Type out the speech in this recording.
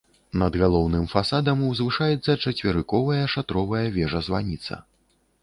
Над галоўным фасадам узвышаецца чацверыковая шатровая вежа-званіца.